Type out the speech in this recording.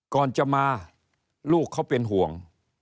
ก่อนจะมาลูกเขาเป็นห่วง